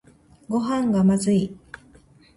ごはんがまずい